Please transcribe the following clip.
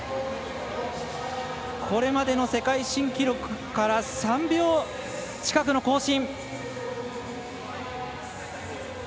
これまでの世界記録から３秒近くの更新。